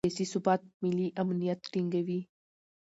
سیاسي ثبات ملي امنیت ټینګوي